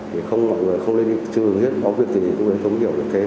thì không mọi người không lên đi trường hết có việc gì tôi mới thống hiểu được thêm